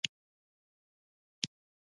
ایا مصنوعي ځیرکتیا د نابرابرۍ خطر نه زیاتوي؟